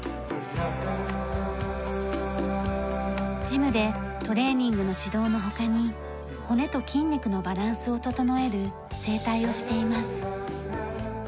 ジムでトレーニングの指導の他に骨と筋肉のバランスを整える整体をしています。